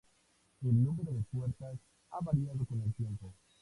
El número de puertas ha variado con el tiempo.